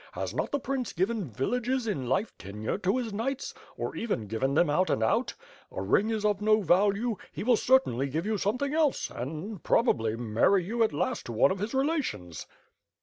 Has not the prince given villages in life tenure to his knights, or even given them out and out? A ring is of no value; he will cer tainly give you something else, and probably marry you at last to one of his relations."